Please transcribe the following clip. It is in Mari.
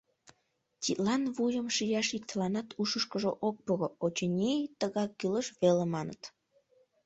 Тидлан вуйым шияш иктыланат ушышкыжо ок пуро, очыни, «тыгак кӱлеш», веле маныт.